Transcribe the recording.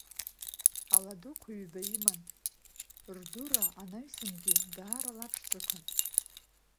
Ала дуқәа ҩба иман, рдура анаҩсангьы даара ла ԥшӡақәан.